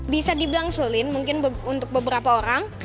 bisa dibilang sulit mungkin untuk beberapa orang